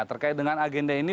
terkait dengan agenda ini